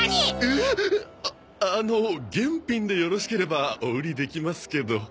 ああの現品でよろしければお売りできますけど。